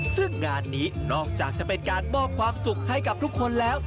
ซึ่งงานนี้นอกจากจะเป็นการมอบความสุขให้กับทุกคนแล้ว